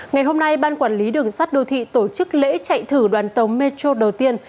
ngày hôm nay ban quản lý đường sắt đô thị tổ chức lễ chạy thử đoàn tàu metro đầu tiên